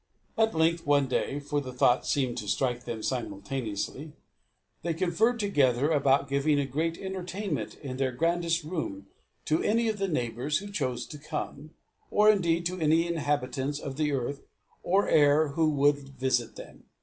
At length, one day, for the thought seemed to strike them simultaneously, they conferred together about giving a great entertainment in their grandest rooms to any of their neighbours who chose to come, or indeed to any inhabitants of the earth or air who would visit them.